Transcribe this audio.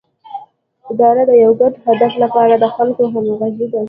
اداره د یو ګډ هدف لپاره د خلکو همغږي ده